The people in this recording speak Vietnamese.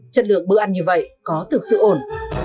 chất lượng bữa ăn như vậy có thực sự ổn